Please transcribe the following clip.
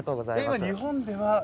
今日本では。